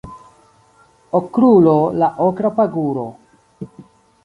Okrulo la okra paguro